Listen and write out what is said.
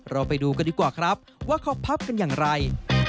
เราไปดูกันดีกว่าครับว่าเขาพับกันอย่างไร